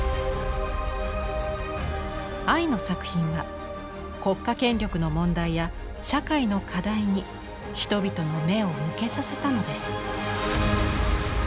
アイの作品は国家権力の問題や社会の課題に人々の目を向けさせたのです。